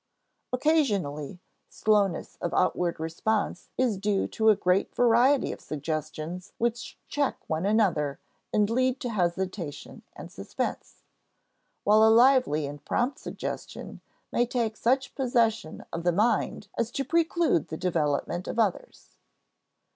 Occasionally, slowness of outward response is due to a great variety of suggestions which check one another and lead to hesitation and suspense; while a lively and prompt suggestion may take such possession of the mind as to preclude the development of others.